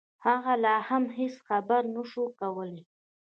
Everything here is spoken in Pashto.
هغه لا هم هېڅ خبرې نشوای کولای